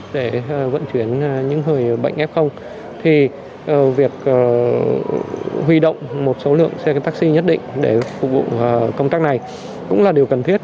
để vận chuyển những người bệnh f thì việc huy động một số lượng xe taxi nhất định để phục vụ công tác này cũng là điều cần thiết